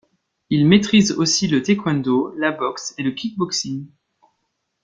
Il maîtrise aussi le Taekwondo, la boxe et le Kick-boxing.